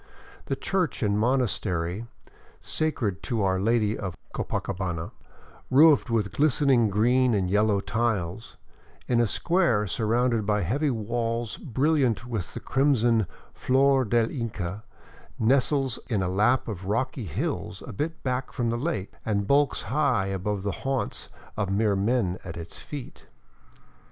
The church and monastery sacred to Our Lady of Copacabana, roofed with glistening green and yellow tiles, in a square surrounded by heavy walls brilliant with the crimson ^or del Inca, nestles in a lap of rocky hills a bit back from the lake and bulks high above the haunts of mere men at its feet.